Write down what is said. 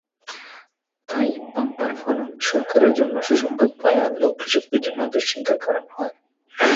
তাই বাম্পার ফলন সরকারের জন্য সুসংবাদ বয়ে আনলেও কৃষকদের দুশ্চিন্তার কারণ হয়।